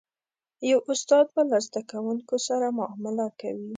یو استاد به له زده کوونکو سره معامله کوي.